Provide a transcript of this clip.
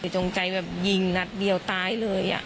จงใจแบบยิงนัดเดียวตายเลย